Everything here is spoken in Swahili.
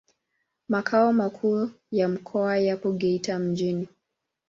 Makao makuu ya mkoa yapo Geita mjini.